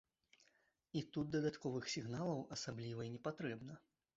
І тут дадатковых сігналаў асабліва і не патрэбна.